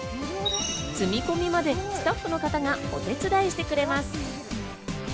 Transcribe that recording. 積み込みまで、スタッフの方がお手伝いしてくれます。